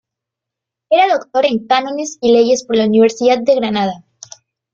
Era doctor en cánones y leyes por la Universidad de Granada.